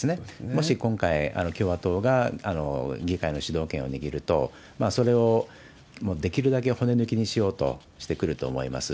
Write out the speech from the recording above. もし今回、共和党が議会の主導権を握ると、それをできるだけ骨抜きにしようとしてくると思います。